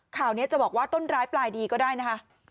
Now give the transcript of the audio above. ข่าวนี้จะบอกว่าต้นร้ายปลายดีก็ได้นะคะ